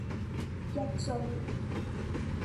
一樽